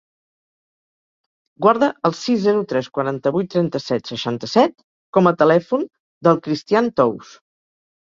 Guarda el sis, zero, tres, quaranta-vuit, trenta-set, seixanta-set com a telèfon del Cristián Tous.